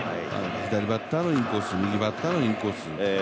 左バッターのインコース、右バッターのインコース。